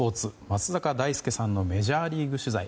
松坂大輔さんのメジャーリーグ取材。